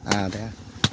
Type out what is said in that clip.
à thế hả